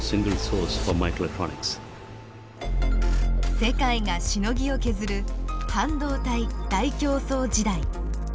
世界がしのぎを削る半導体大競争時代。